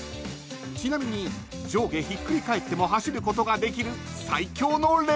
［ちなみに上下ひっくり返っても走ることができる最強のレゴ］